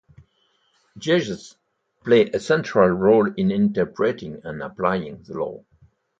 Judges play a central role in interpreting and applying the law.